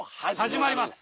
始まります！